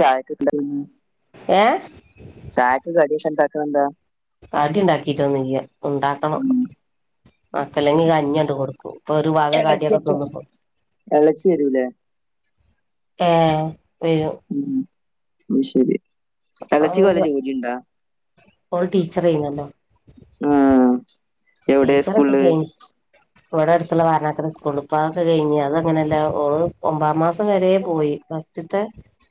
ചായക്ക് എന്തായിരുന്നു ഏ ചായക്ക് കടി ഇണ്ടാക്കണ് എന്താ. കാടിണ്ടാക്കിട്ടൊന്നൂല്യാ ഉണ്ടാക്കണം. ഉം [unintelligible] കഞ്ഞിണ്ട് കൊടുക്കും. ഇപ്പൊ ഒരു വക കടിയൊക്കെ എളച്ചപ്പം തിന്നുപ്പോ. എളച്ചി വരൂലേ? ഏ വെരും. മ് ശെരി എളച്ചിക്ക് വല്ല ജോലിണ്ടാ? All teacher ആയിന്നല്ലോ. ആഹ് എവിടെ ടീച്ചറൊക്കെ സ്കൂളില് കഴ്ഞ്ഞ്. ഇവിടെ അടുത്തുള്ള വാരണാക്കര സ്കൂൾ ഇപ്പതൊക്കെ കഴിഞ്ഞ്. അത് അങ്ങനെയല്ല ഓള് ഒമ്പതാം മാസം വരേം പോയി. ഫസ്റ്റത്തെ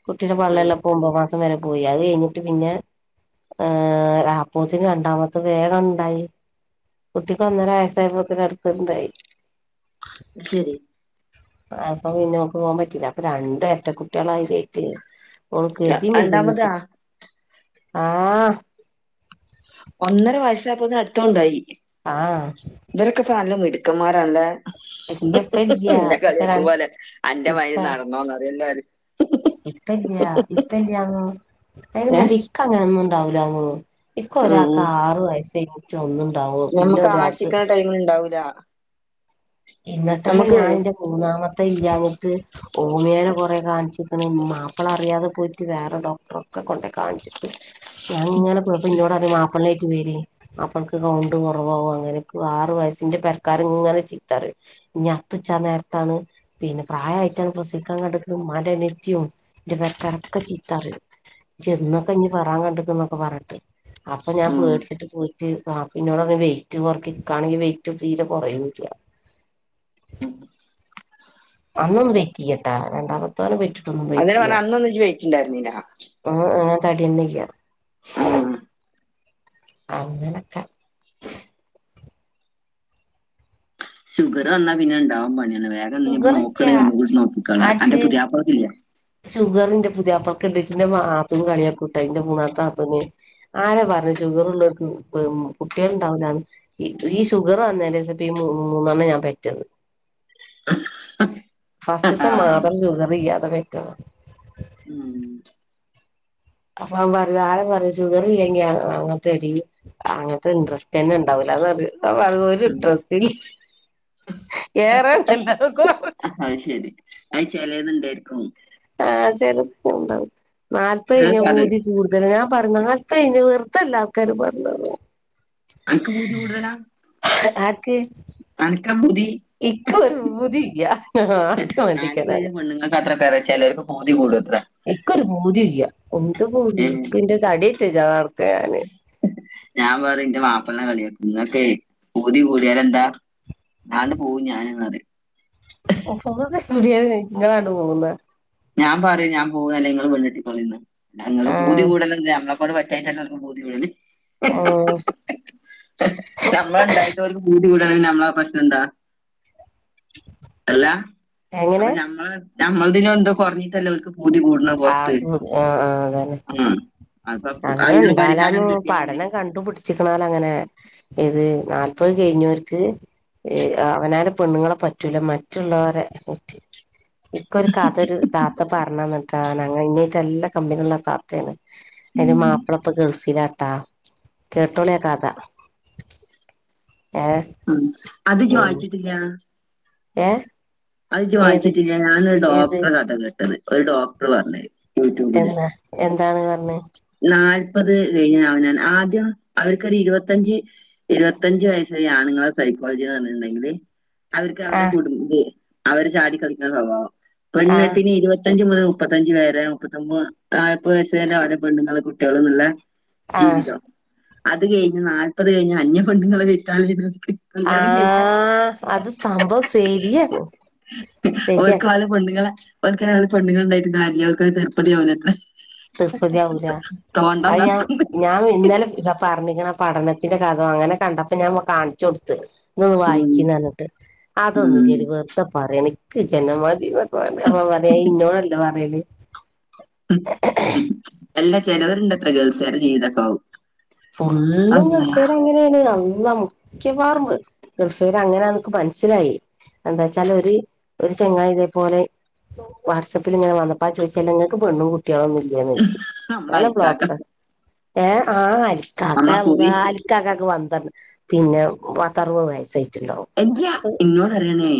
കുട്ടിയുടെ ഉം പള്ളേള്ളപ്പോ ഒമ്പത് മാസം വരെ പോയി. അത് കഴിഞ്ഞിട്ട് പിന്നെ ഏർ അപ്പൊത്തിന് രണ്ടാമത്തെ വേഗം ഇണ്ടായി. കുട്ടിക്ക് ഒന്നര വയസ്സായപ്പോത്തിന് അടുത്തെണ്ടായി. ശെരി. അപ്പൊ പിന്നെ ഓക്ക് പോകാൻ പറ്റിയില്ല. അപ്പൊ രണ്ട് ഇരട്ട കുട്ടികളാ അതിന്റേത്. ഓൾള് കോതി മിതി കൊട്ട്ക്ണ്. രണ്ടാമതാ ആഹ് ഒന്നര വയസ്സായപ്പോ അടുത്തോണ്ടായി. ആഹ് ഇവരൊക്കെ നല്ല മിടുക്ക് മിടുക്കമാരല്ലേ? ഹ് ഹ് ഇയ്യപ്പല്ല്യ പിന്നെ കളി ഇപ്പ ര വക്കുമ്പോലെ അന്റെ മയിരി നടന്നോന്ന് പറയും എല്ലാരും. ഇപ്പല്യാ ഇപ്പ ഇല്ലായുനു ഏഹ് അയ്നുമേണ്ടി ക്ക്‌ അങ്ങനെ ഒന്നുംണ്ടാവില്ലാരുന്നു. ഇപ്പൊ ഒരാൾക്ക് ഉം ആറു വയസ്സായി ഒന്ന്. ഞമ്മക്ക് ആശിക്കുന്ന ടൈമ് ഇണ്ടാവൂല. എന്നിട്ടന്നെ നമുക്ക് ഞാനെന്റെ മൂന്നാമത്തെ ഇല്ലാഞ്ഞിട്ട്. ഹോമിയോനെ കൊറെ കാണിച്ചിരിക്കണ്. മാപ്പിള അറിയാതെ പോയിട്ട്. വേറെ ഡോക്ടർൊക്കെ കൊണ്ടേ കാണിച്ചിക്ണ്. ഞാൻ ഇങ്ങനെ പോയപ്പോ ഇന്നോട്റയ മാപ്പിള ആയിട്ട് വര് മാപ്പിളക്ക് കൗണ്ട് കുറവാവും അങ്ങനെക്കെ വാറും- വയസ്സിൻ്റെ പരക്കാർ ഇങ്ങനെ ചെയ്യ്- റ് നട്ടുച്ച നേരത്താണ് പിന്നെ പ്രായ ആയിട്ടുള്ള [unintelligible] എന്റെ പെരക്കാരൊക്കെ ചീത്ത പറയും. ഇജ്ജ് എന്നുക്കും ഇനി പെറാൻ കണ്ടേക്കുന്നു എന്ന് പറഞ്ഞിട്ട് അപ്പൊ ഞാൻ ഉം പേടിച്ചട്ട് പോയിട്ട് [unintelligible] പറഞ്ഞു വെയിറ്റ് കൊറക്ക് എനിക്കാണെങ്കി വെയിറ്റ് തിരെ കൊറയുന്നും ഇല്ല. വണ്ണം വെയ്ക്കിയേട്ടാ രണ്ടാമത്തോനെ പെറ്റ് ഇപ്പം അങ്ങനെ പറഞ്ഞ വെയിറ്റെയ്യാ അന്നൊന്നും ഇജ്ജ് വെയിറ്റ് ഉണ്ടായിരുന്നില്ല [unintelligible] തടിയൊന്നുയില്ലാ. ഉം അങ്ങനൊക്കെ ഷുഗറ് വന്നാ പിന്നെ ഒണ്ടാവും പണി വേഗം ഇനി ഷുഗറില്ല നോക്കുണെ ഒന്നുകൂടി നോക്കിക്കോള അന്റെ പുതിയാപ്ലയ്ക്കില്ലേ? ഷുഗറുണ്ട്. പുതിയാപ്ലക്ക് ഉണ്ട്. പിന്നെ നാത്തൂൻ കളിയാക്കും എന്റെ മൂന്നാമത്തെ നാത്തൂന്. ആരാ പറഞ്ഞേ ഷുഗറുള്ളവർക്ക് കുട്ടികൾ ഉണ്ടാവൂലാന്ന്? ഈ ഷുഗറ് വന്നതിനുശേഷം മൂ മൂന്നെണ്ണം ഞാൻ പെറ്റത്. ഫസ്റ്റ്ത്തെ മാത്രം ഷുഗറിയ്യാതെ പെറ്റതാ. ! ! ! ! ! ! ! ! ! ! [unintelligible] ആഹ് അത് ശരി. അത് ചെലത്ണ്ടായിരിക്കും. ! ! ! ! ! ! ! ! ! ! ഇപ്പോ ഇനി ചിലർക്ക് അത് വെറുതെയല്ല ആൾക്കാര് പറഞ്ഞത് ! ! ! ! ! ! ! ! ! ! ആർക്ക്? ! ! ! ! ! ! ! ! ! !! ! ! ! ! ! ! ! ! ! ചെലർക്ക് പൂതി കൂടുത്രെ എക്കൊരു പൂതീല്ല എന്ത് പൂതി ക്ക് [unintelligible] ഞാ പറെം.. ഇന്റെ വാപ്ൾനെ കളിയാക്കു ! ! ! ! ! ! ! ! ! !! ! ! ! ! ! ! ! ! !! ! ! ! ! ! ! ! ! ! ആഹ് ആഹ് [unintelligible] ഞമ്മൾണ്ടായിട്ടും അവര്ക്ക് പൂ [unintelligible] നമ്ള പ്രശ്നന്താ അല്ല അപ്പ എങ്ങനെ ഞമ്മള് ! ! ! ! ! ! ! ! ! ! ! ! ! ! ! ! ! ! ! ! ! ! ആഹ് [unintelligible] ആഹ് അഹ് അതന്നെ ഉം അപ്പൊ അതിനുള്ള പരിഹാരം അങ്ങണ്ടാലന്നു കിട്ടിയാ മതി പഠനം കണ്ടു പിടിച്ചിക്കണാലങ്ങനെ ഇത് നാല്പത് കയിഞ്ഞോർക്ക് ! ! ! ! ! ! ! ! ! ! ! ! ! ! ! ! ! ! ! ! ഇക്കൊരു കഥോരു താത്ത പറന്നനിട്ടാൻ [unintelligible] ഇങ്ങീട്ട എല്ലാ കമ്പനിള്ള താത്തയാണ് അയ്ന്റെ ഉം മാപ്ളപ്പ ഗൾഫിലാട്ടാ കേട്ടോളിആ കഥ ഏ ഉം അത് ജ്ജ് വായിച്ചിറ്റില്ല ഏഹ് അത് ഇജ്ജ് വായിച്ചിറ്റില്ല ഞാനൊരു ഡോക്ടറെ കഥ കേട്ടത് ഒരു ഡോക്ടർ പറഞ് എന്ന് എന്താ എന്താണ് പറഞ്ഞഞ് നാല്പത് കഴിഞ്ഞ അവനാൻ ആദ്യം അവർക്കൊരു ഇരുപത്തഞ്ച് ഇരുപത്തഞ്ച് വയസ്സായ ആണ് [unintelligible] സൈക്കോളജി എന്ന് പറഞ്ഞിട്ടുണ്ടെങ്കിൽ അവർക്ക് ആ അവരെ കുടും [unintelligible] അവര് ചാടി കളിക്കണ സ്വഭാവം ആ പെണ്ണെട്ടിന് ഇരുപത് മുപ്ത്തഞ്ച് മുൽ മുപ്പത്തഞ്ചു വേരെ മുപ്പത്തൊമ്പത് നാല്പ്പത്യസ് വരെ അവരെ പെണ്ങ്ങൾ ആ കുട്ടികള്ന്ന്ള്ള ! ! ! ! ! ! ! ! ! ! ! ! ! ! ! ! ! ! ആഹ്... അത് സംബം സെരിയാണ് ഓൾക്ക് ഓല പെണ്ണുങ്ങളെ ഓൽ കോലെ പെണ്ണ് ങൾ ഉണ്ടായിട്ടും കാര്യല്ല. ഓൽ കത് തൃ പ്പതി ആവൂലാത്രേ തൃപ്പതിയാവൂല അത് ഞാൻ ഞാൻ ഇന്നലെ ര പറ് ക്ക്ണ് ആ പഠനത്തിന്റെ കഥോ അങ്ങനെ കണ്ടപ്പോ ഞാൻ കാണിച്ചു കൊടുത്ത് ഇന്ന് ഉം വായിക്കീനർഞ്ട്ട് ഉം അതൊന്ന്ല്ലടീ വെറുതെ പറയേണ് ഇൻക്ക് ജന്നെമാതീ നർ [unintelligible] പ്പ പറയാ ഇന്നോടല്ലേ പറയല് എല്ലാ ചേലോര്ണ്ടത്രേ ഗേൾസ് അവരുടെജീവിതക്കാവും ഫല്ലും ഗൾഫേര അങ്ങനേണ് അള്ളാ മുക്കവാറും ഗൾഫ് പര അങ്ങനെ നക്ക് മനസ്സിലായി എന്താച്ചാൽ ഒരു ഒരു ചെങ്ങ ഇതേപോലെ വാട്സആപ്പിൽ ഇങ്ങനെ വന്നപ്പോ ആ ചോദിച്ചാലങ്ങക്ക് പെണ് കുട്ട് [inaudible] [inaudible] ളൊന്നുല്ലേന്ന് ചോയ്ച്ച് നമ്മളെ ഞാനാ അരിക്കാക്ക ബ്ലോക്ക ഏ അലികക്കാ ക് നമ്മളെ കുറി അള്ളാ അലി കാക്കക്ക് വ പിന്നെ പത്തർവത് വയസായി എയ്യാ ഇന്നോട് അറിയണേ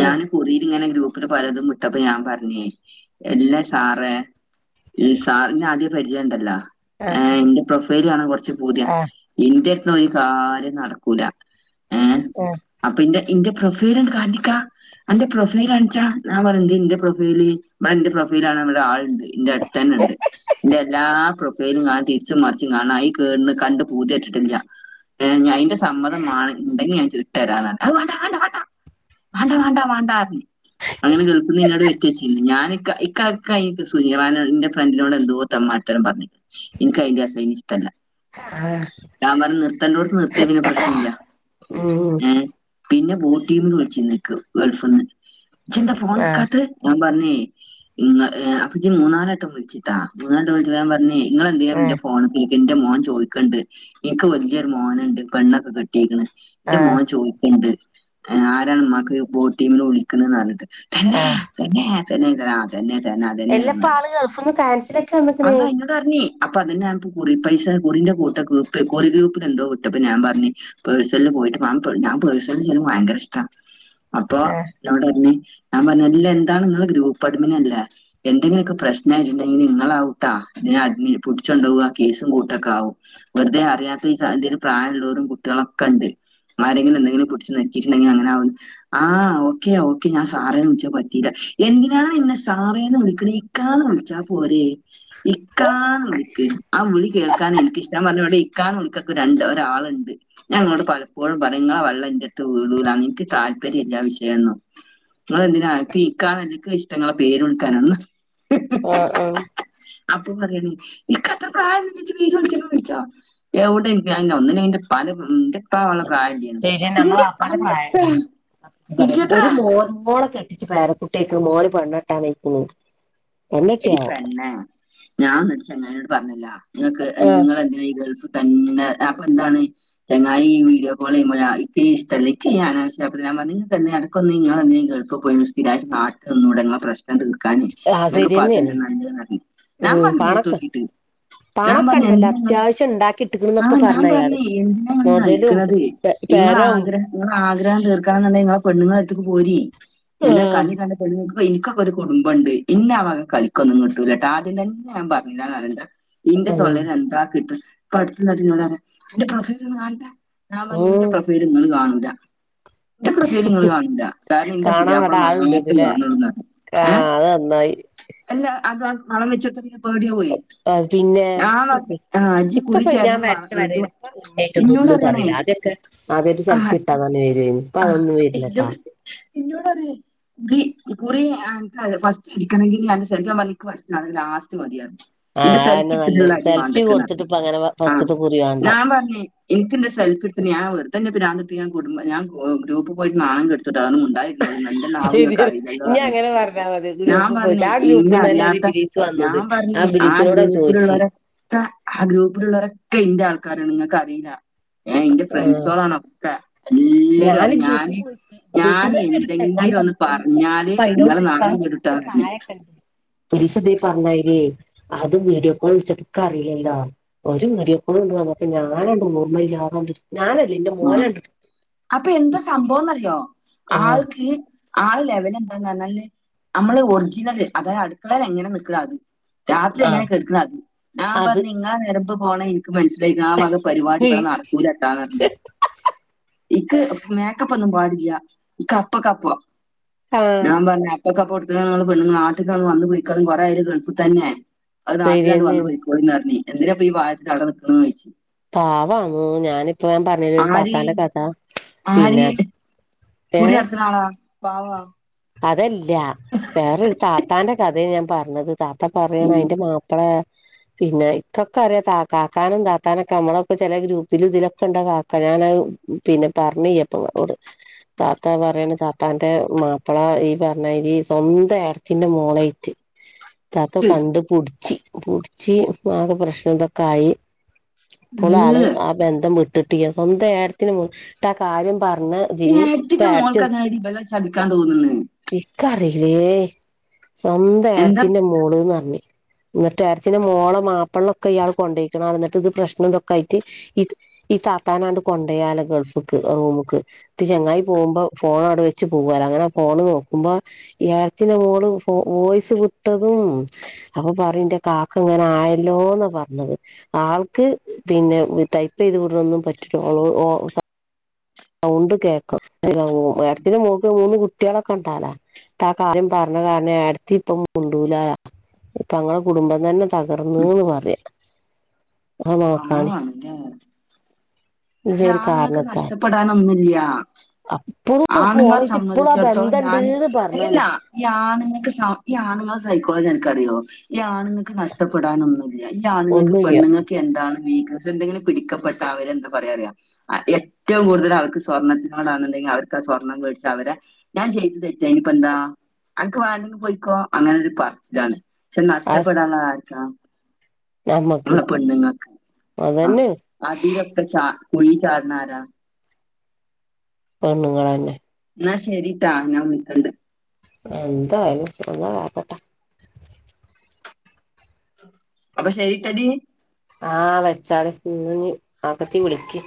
ഞാന് കുറീലിങ്ങനെ ഗ്രൂപ്പില് പലതും വിട്ടപ്പഞാപറഞ്ഞേ എല്ലാ സാറെ ഈ സാറിനാദ്യം പരിചയണ്ടല്ലോ ആ എന്റെ പ്രൊഫൈൽകാണ കൊറച്ച് പൂതിയാ ആ ആ ഇൻ്റെ തൊരു കാര്യം നടക്കൂല അപ്പിന്റെ പ്രൊഫൈല്ണ്ട് കാണ്ടിക്കാ അന്റെ പ്രൊഫൈലാണിച്ചാ ഞാൻ പറഞ്ഞുന്തേ ന്റെ പ്രൊഫൈല് ആ ഇന്റെ പ്രൊഫൈലാണാല്ലെ ആളുണ്ട് ന്റെടുത്തന്നെ ണ്ട് ന്റെഎല്ലാ പ്രൊഫൈലും ഞാൻ തിരിച്ച മറിച്ച് കാണാ ഐകേന്ന് കണ്ട് പൂതെട്ടിട്ടില്ല ഞാ ഐന്റെസമ്മതമാണ് ഉണ്ടെങ്കിൽ ഞാൻ ചോദ് ട്ടേരാർന് അഹ് വാണ്ട വാണ്ട വാണ്ട വാണ്ടാ വാണ്ടാ വാണ്ടാർന് അങ്ങനെ കൾഫിന്നിന്നവടെ വെച്ച് [unintelligible] ഞാന് ക്ക ഇക്കഇക്കനിട്ട് സുനീറാനോട് ന്റെ ഫ്രണ്ടിനോട് എന്തോ തെമ്മാട്ടിത്തരം പറഞ്ഞ് ഇനിക്ക് ഐന്റെ ഐനെഷ്ടല്ല ആ ഞാൻ പറ നിർത്തെണ്ടോട്ത്ത് നിർത്തീനെങ്കി പ്രശ്നെല്ലൃ ഉം പിന്നെ ബോടീമിന്ന് വിളിച്ചീനിൻക്ക് ഗൾഫ്ന്ന് ചെന്താ ആ ഫോണെടുക്കാത്ത് ഞാപറഞ്ഞീ ഈ ഇങ്ങള് അപ്പജി മൂന്നാലാട്ടം വിളിച്ചിട്ടാ മൂനട്ടം വിളിച്ചപ്പ ഞാപറഞ്ഞേ നിങ്ങളന്തിനാ ആ ന്റെ ഫോണ്ക്കൈ എന്റെ മോൻ ചോദിക്ക്ണ്ട് എൻക്ക് വല്ലൃരു മോന്ണ്ട് പെണ്ണൊക്കെ കെട്ടീക്ക്ണ് ആ ന്റെമോൻ ചോയ്ക്ക്ണ്ട് ആരാണ് ഉമ്മാക്ക് ബോട്ടീന് വിളിക്ക്ണ്നർഞ്ഞിട്ട് തന്നേ ആ തന്നേ തന്നേ ആ തന്നെ തന്നെ എല്ലപ്പ അതെന്നേണ്നർഞു ആള് ഗൾഫ്ന്ന് കാൻസലൊക്കെ വന്ന്ക്ക്ണ് അതാ ഇന്നോടാറഞ്ഞി അപ്പൊ അതിനകതുകുറിപൈസ കുറിന്റെ കൂട്ട ഗൂപ്പ് കൊറി ഗ്രൂപ്പിലെന്തോ വിട്ടപ്പൊഞാപറഞ്ഞ് പേഴ്സ പോയിട്ട് വാംപേ ഞാപേഴ്സൽചെയ്യ്ണ് ഭയങ്കരഷ്ടാ അപ്പൊ ആ ഞാപറ്ഞ്ഞ് ഞാപറഞ്ഞു അല്ല എന്താണ് ങ്ങള് ഗ്രൂപ്പടിമിനല്ലേ എന്തെങ്കിലൊക്കെ പ്രശ്ന ഇണ്ടെങ്കില്ങ്ങളാവു ട്ട ഇതിനഡ്മിന് പുടിച്ചൊണ്ടകൂ ആകേസും കൂട്ടൊക്കാകും വെറുതെ അറിയാത്ത് ഈ പ്രായള്ളോലും ലും കുട്ടൊളൊക്കെണ്ട് ആരെടെങ്കിലും എന്തെങ്കിലും പിടിച്ച് നക്കീട്ടുണ്ടെങ്കിൽ അങ്ങനാവും ആ ഓക്കെ ഓക്കെ ഞാൻ സാറേനുൾച്ചത് പറ്റീല്ല എന്തിനാണ് ഇന്നെ സാറേന്ന് വിളിക്ക്ണ് ഇക്കാന്ന് വിളിച്ചാപോരേ ഇക്കാ വിളിക്ക് ആവിളിക് കേൾക്കാൻ ഇൻക് ക്കാ ന് വിളിക്കക്ക് രണ്ട് ഒരാളുണ്ട് ഞാങ്ങളോട് പലപ്പോഴും പറയ്ങ്ങള വള്ളന്റെട്ത്ത് വീടുല ഇൻക്ക് താ താല്പര്യംല്ലാ വിഷയൊന്നും നിങ്ങെളെന്തിനാ അൻക്ക് ഇക്കാ ഇൻക്കിഷ്ടങ്ങളെ പേര് വിൾക്കാനാണന്ന ആ ആ അപ്പൊപറയണൈ ഇൻക്കത്ര പ്രായംനില്ലൈ ജ്പേര് വിളിച്ചെണേ വിളിച്ചോ എവിടെ ഇൻക അ ഒന്നില്ലെങ്കിൽ ഐന്റെ പ്പാന്റെ ഫ്രണ്ട് ശരി ഞമ്മൾ ആപ്പാന്റെ പ്രായണ്ട് പറ ഒരു ഇരുപത്ര മോൻമോളക്കെ ച്ച് പേരക്കുട്ടെക്കെ മോന് പണ്ണിട്ടാനൈക്കുണു എടി പെണ്ണേ ഞാന്ന്ട്ട് ചങ്ങാനോട് പറഞ്ഞില്ല നിങ്ങക്ക് ആഹ് നിങ്ങളെന്തിനാ ഈ ഗൾഫ് തന്നെ അപ്പൊന്താണ് ചെങ്ങായി ഈ വീഡിയോകോളെയ്യുമ്പോ ഞായിപ്പ ഈഷ്ടല്ല [unintelligible] [unintelligible] ഇടക്കൊന്ന് നിങ്ങ തന്നെ കേൾ പോയി സ്ഥിരമായിട്ട് നാട്ട് നിന്നൂടെ നിങ്ങളെ പ്രശ്ം തീർക്കൻ ആഹ് ഇങ്ങക്ക് അത് ശരിയെന്നേണ് എല്ലാ നല്ലത് എന്ന് പറഞ്ഞു ഞാൻ ഉം പറഞ്ഞു മോത് പണൊക്കെ നോക്കിട്ട് ഞാൻപറ പണൊക്കെ ഇണ്ടല്ലോ ഞ്എന്തിന് ഇങ്ങൾ അത്യാവശ്യം ആ ഇണ്ടാക്കിട്ട്ക്ക്ണ്ന്നൊക്കെ ഞാൻ പറഞ്ഞ് അയാള് പറഞ്ഞേ എനി നാ ഇങ്ങൾ മൊതലും നയിക്കണുന്നത് പെ നിങ്ങ പെരോം ആഗ്രഹം നിങ്ങ ആഗ്രഹം തീർക്കാ ഇങ്ങളെപെണ്ണുങ്ങാര്ത്തക്ക് പോ എല്ലാം ആഹ് കണികണ്ട പെണ്ണ്ങ്ങ എനിക്കൊക്കെ ഒരു കുടുംബം ഉണ്ട് ഇനെ അവക കളിക്കൊന്നും കിട്ടൂല കേട്ടോ ആദ്യം തന്നെ ഞൻ പറഞ്ഞിലാവര ണ്ട ഇന്റെ ഉം തൊള്ളൽ എന്താക്കി ഇപ്പോ അടത്തു എന്നൊട് പറ എന്റെ പ്രൊഫൽ ഒന്ന്കാണണ്ടെ ഞാൻ പറഞ്ഞ ഉം നിന്റെ പ്രഫ യ്ൽ നിങ്ങൾകാണണ്ട എന്റെ പ്രഫ യ്ൽ ഇങ്ങൾകാണട കാരണം എന്റെ പുതിയപ്പ മാത്രം കാണു ആ അത് നന്നായി അല്ല അത വള വെച്കോടുത്താൽ പോടിയാവും അ ഇജ് ഇക്ക് ഇപ്പോ ഞാൻ വരച്ച വരയിൽപ്പോ കുട്ടിയായിട്ടന്ന ഇന്നോട് ഒന്നും പറയാണേ പറയില്ല ആദ്യൊക്കെ ആദ്യ ഒരു സെൽഫി ആഹ് ഇട്ടാന്ന് പറന്ന വരു അപ്പൊന്നും വരില്ലട്ടാ എന്നോട് പറിയ കുറ കുറി ഞങ്ങ ക്കാണങ്കിൽഫസ്റ്റ് ഇരിക്കണെങ്കിൽ ഞാൻ സെമിക്ക് ഫസ്റ്റ് ലാസ്റ്റ് മതിയരുന്നു എന്റെ ആഹ് സെൽഫി അതന്നെ ഇട്ടട്ടുള്ള നല്ലത് അടിവ സെൽഫി കൊടുത്തിട്ട് ഇപ്പ അങ്ങനെ ട്ക്ക്ണുആ ഫസ്റ്റ്ത്തെ കുറി വേണ്ട ഞാൻ പറഞ്ഞേ എനിക്ക് എന്റെ സെൽഫി സെഫി എടുത്ത് ഞാൻ വെറുതെ ഇനെ പിരാത് പിടിപ്പിക്കാൻ ഞാൻഗ്രൂപ്പ് പോയി നാണം ഇതാ മുണ്ടായിരിക്കുന്നത എന്റെ നാവ് നിങ്ങക്ക് ശരിയാണ് അറിയില്ലല്ലോ ഇനി പറഞ്ഞേ അങ്ങനെ പറഞ്ഞാൽ മതി ഞാൻ ഗ്രൂപ്പ് പോയിട്ട് പറഞ്ഞേ ആ ഇനെ ഗ്രൂപ്പ്ന്ന് തന്നെ ഒരു അറിയാത്ത ബിലീസ് വന്നത് ഞാൻ പറഞ്ഞി ആ ബിലീസിനോട് ഞാൻ ചോദിച്ച് ഗ്രൂപ്പിലുള്ളവരൊക്കെ ആ ഗ്രൂപ്പിലുള്ളവരൊക്കെ എന്റെ ആൾക്കാ ക്കാരാണ് നിങ്ങൾക്ക്‌ അറിയില്ല എന്റെ ആഹ് ഫ്രണ്ട്സോളാണ്ഒക്കെ എല്ലാ ഇജ് ഞാന് ഗ്രൂപ്പിൽ പറിഞാന് പോയിട്ട് ഞാൻ ഗ്രൂപ്പിൽ തന്നെ ഒരു ചെങ്ങായി എന്തെങ്കിലും ഒന്ന് വന്നിട്ടുണ്ട് പറഞ്ഞാല് നിങ്ങള് നാണം കൊടുട്ടോ പറി എന്നിണ്ട് ഒരിസംഇ ത്‌പറഞ്ഞമയിര് അത് വീഡിയോ കോൾ വിളിച്ചിട്ടക്ക അറിയില്ലല്ലോ ഒരു വീഡിയോ കോൾ ഇങ്ങട്ട് ഞാൻ ഓർമ്മയിലാതെ ഉം അപ്പൊ എന്താ സംഭവംന്ന്റിയോ ആഹ് ആൾക്ക് ആൾ ലെവൽ എന്താന്ന് പറഞ്ഞാല് നമ്മള് ഒറിജിനല് അതായത് അടുക്കളെൽ എങ്ങനെ നിൽക്ണത് അത് രാത്രി എങ്ങനെ ആഹ് കെട്ക്ക്ണത് ഞാൻ അത് പറഞ്ഞ ഇങ്ങെ നരമ്പ് പോണ മനസ്സിൽആയിക്‌ണ് ആ വകപരിപാടികളൾനടക്കൂലട്ടോ ഇക്ക്മൈ ക്കപ്പ് ഒന്നും പാടില്ല ഇക്ക് അപ്പക്ക് അപ്പോ ആഹ് ഞാൻ പറഞ്ഞ പൊക്കപ്പടുത്ത പെണ് നാട്ടിൽന്ന് വന്ന് പോയിക്കും കുറെയായി ഗൾഫ് തന്നെയാണ് അത് നാട്ടിലാണ്ട് വന്ന് ശരിയന്നെയാണ് പോയി കോളിന്ന് പറഞ്ഞ് എന്തിന ബപ്പൊ ഈ പ്രായത്തിൽ അടനിൽക്കണന്ന് പോദിച്ചു പാവാണു ഞാനിപ്പ ഞൻ പറഞ്ഞില്ല ഒരു ആര് സാത്താന്റെ കഥ ആര് പിന്നെ ഏ കുറി എത്രനാളാ പവാ അതല്ല വേറൊരു താത്താന്റെ കഥയെ ഞാൻ പറഞ്ഞത് താത്ത പറയണ ഉം അതിന്റെ മാപ്പള പിന്നെ ഇക്കൊക്കെ അറിയ ത കാക്കാനും താത്താനും ഒക്കെ നമ്മളൊക്കെ ചെല ഗ്രൂപ്പിലും ഇതിലൊക്കെ ഉണ്ട് താത്ത ഞാനത് പിന്നെ പറഞ്ഞ് ഇല്ലപ്പേ താത്ത പറയണ താത്താന്റെ മാപ്പ ആ ഈ പറഞ്ഞ മാരി സ്വന്തം എടത്തിന്റെ മോളയിട്ട് താത്ത കണ്ട് പുടിച്ച് ആക പ്രശ്ന ഇതൊക്കെ ആയി ഇപ്പോൾ ആള് ഏഹ് ആ ബന്ധം വിട്ടിട്ട് സ്വന്തം എട്ടത്തിന്റെ മോൾആ കാര്യം പറഞ്ഞ ഇതിന് എട്ത്തിടെ മോൾക്ക് എങ്ങനഇവളെ ചതിക്കാൻ തോന്നത് ഇക്ക് അറിയില്ലേ സ്വന്തം എന്താ ഏടത്തിന്റ മോള്ന്ന് പറഞ്ഞ് എന്നിട്ട് എട്ടത്തിന്റെ മോളെ മാപ്പള്ളൊക്കെ ഇയാൾ കൊണ്ടോയ്ക്കണം എന്നിട്ട് ഇത് പ്രശ്നം ഇതൊക്കെ ആയിട്ട് ഇത് താത്തനെ അങ്ങട്ട് കൊണ്ടയാല ഗൾഫ്ക്ക് റൂമക്ക് ക്ക് ചങ്ങായി പോകുമ്പോ ഫോണ് അവടെ വെച്ച് പോവാലോ അങ്ങനെ ഫോണ് നോക്കുമ്പോ എട്ടത്തിന്റെ മോള് വോയ്സ് വിട്ടതും അപ്പൊ പറയന്റ കാക്ക ഇങ്ങനെ ആയല്ലോന്ന പറഞ്ഞത് ആൾക്ക് പിന്നെ ടൈപ്പ് ചെയ്ത് വിടുന്നതുപറ്റുലാ ഓളോട്ഓ പ സൗണ്ട് കേക്ക എട്ടത്തിന്റെ മോൾക്ക് മൂന്ന് കുട്ടികളൊക്കെ ഉണ്ട് അവിടെ ആ കാര്യം പറഞ്ഞ കാരണംഎടത്തി ഇപ്പം മിണ്ടൂല ഇപ്പ ഞങ്ങളെ കുടുംബം തന്നെ തകർന്നുന്ന് പറയാം ആണല്ല ഈ ഒരു ആണുങ്ങക്ക് കാരണത്താൽ നഷ്ടപ്പെടാൻ ഒന്നുല്യ അപ്പളും അപ്പൊ ആണുങ്ങെ ഓളായിട്ട് ഇപ്പളും ആ സംമ്മതിച്ചിടത്തോളം ഞാന് ബന്ധണ്ട്ന്ന് പറഞ്ഞാണ് എല്ലല്ല ഈ ആണുങ്ങക്ക് സ ഈ ആണുങ്ങ [unintelligible] കോളേജ് അനക്ക് അറിയോ ഈ ആണുങ്ങക്ക് നഷ്ടപ്പെടാനൊന്നുല്ല്യ. ഈ ആണുങ്ങക്ക് ഒന്നുയ്യ പെണ്ണുങ്ങക്ക് എന്താണ് [unintelligible] എന്തെങ്കിലും പിടിക്കപ്പെട്ട അവര് എന്താ പറയാറിയ ഏറ്റവും കൂടുതല് അവർക്ക് സ്വർണത്തിനോടാണുണ്ടെ അവ സ്വർണം വേടിച്ച അവര ഞാൻ ചെയ്ത് തെറ്റ അയ്നിപ്പന്താ അനക്ക് വേണ്ടെങ്കി പോയിക്കോ അങ്ങനൊരു പറച്ച്ലാണ് ക്ഷെ അത് നഷ്ടപ്പെടാനുള്ളതാര്ക്കാ നമ്മക്ക് ങ്ങള് പെണ്ണുങ്ങക്ക് ആ അതന്നെ അതിലൊക്കെ ച കുഴീ ചാട്ണാരാ പെണ്ണുങ്ങളന്നെ എന്നാ ശരിട്ടാ ഞാൻ വിളിക്കണ്ട് എന്തായാലും അള്ള കാക്കട്ട അപ്പൊ ശെരിട്ടടി ആ വെച്ചാള് ഞ്ഞി ആകത്തി വിളിക്ക്